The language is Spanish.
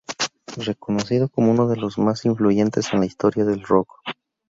Reconocido como uno de los más influyentes de la historia del rock.